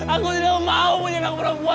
aku tidak mau punya anak perempuan